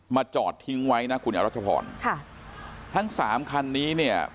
จอดทิ้งไว้นะคุณอรัชพรค่ะทั้งสามคันนี้เนี่ย